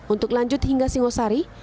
untuk lanjut hingga singosari